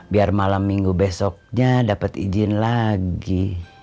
biar malam minggu besoknya dapat izin lagi